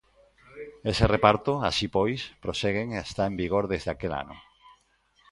Ese reparto, así pois, proseguen, está en vigor desde aquel ano.